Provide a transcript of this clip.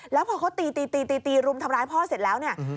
แล้วพอเขาตีตีรุมทำร้ายพ่อเสร็จแล้วเนี่ย